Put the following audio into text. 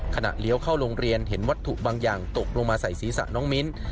เลี้ยวเข้าโรงเรียนเห็นวัตถุบางอย่างตกลงมาใส่ศีรษะน้องมิ้น